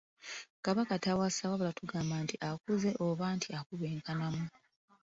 Kabaka tawasa wabula tugamba nti akuze oba nti akuba enkanamu.